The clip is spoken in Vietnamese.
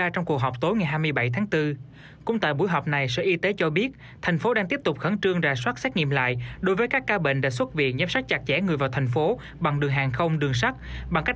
trong cuộc chiến tuyên truyền đòi đấu tranh thống nhất nước nhà